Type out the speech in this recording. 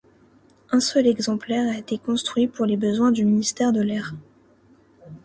Un seul exemplaire a été construit pour les besoins du ministère de l'Air.